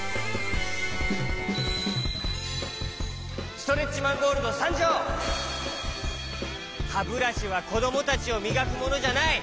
ストレッチマン・ゴールドさんじょう！はブラシはこどもたちをみがくものじゃない！